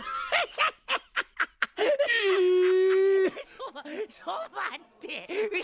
そそばって！